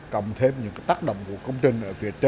cộng thêm những tác động của công trình